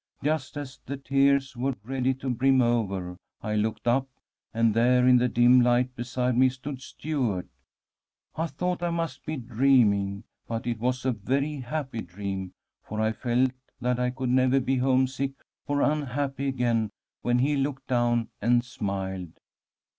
Just as the tears were ready to brim over, I looked up, and there in the dim light beside me stood Stuart. I thought I must be dreaming, but it was a very happy dream, for I felt that I could never be homesick or unhappy again when he looked down and smiled.